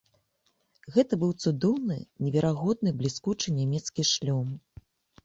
Гэта быў цудоўны, неверагодна бліскучы нямецкі шлём.